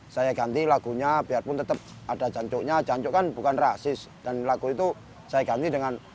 saya ganti lagunya biarpun tetap ada jancuknya jancuk kan bukan rasis dan lagu itu saya ganti dengan